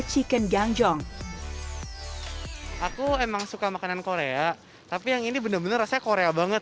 chicken gang jong aku emang suka makanan korea tapi yang ini bener bener rasa korea banget